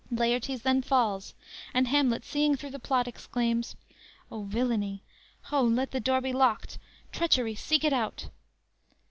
"_ Laertes then falls, and Hamlet, seeing through the plot, exclaims: _"O, villainy! Ho! let the door be locked; Treachery! seek it out!"